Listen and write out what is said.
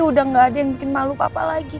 udah gaada yang bikin malu papa lagi kan